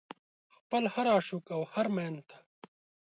خپل هر عاشق او هر مين ته